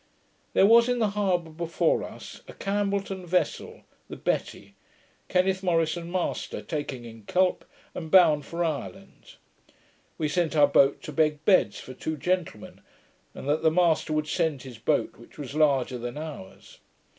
There was in the harbour, before us, a Campbelltown vessel, the Betty, Kenneth Morison master, taking in kelp, and bound for Ireland. We sent our boat to beg beds for two gentlemen, and that the master would send his boat, which was larger than ours.